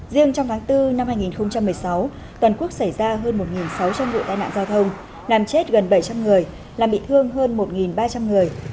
riêng trong tháng bốn năm hai nghìn một mươi sáu toàn quốc xảy ra hơn một sáu trăm linh vụ tai nạn giao thông làm chết gần bảy trăm linh người làm bị thương hơn một ba trăm linh người